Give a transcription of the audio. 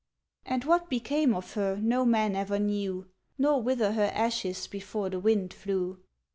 ŌĆØ And what became of her no man ever knew, Nor whither her ashes before the wind flew.